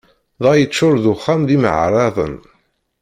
Dɣa yeččuṛ-d uxxam d imeɛraḍen.